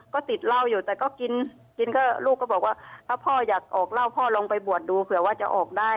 ก็ติดเหล้าอยู่แต่ก็กินกินก็ลูกก็บอกว่าถ้าพ่ออยากออกเหล้าพ่อลองไปบวชดูเผื่อว่าจะออกได้